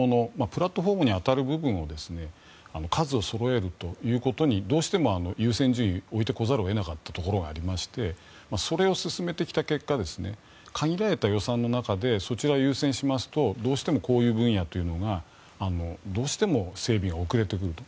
プラットフォームに当たる部分を数をそろえるということにどうしても優先順位を置いてこざるを得なかったことがありましてそれを進めてきた結果限られた予算の中でそちらを優先しますとどうしてもこういう分野というのがどうしても整備が遅れてくると。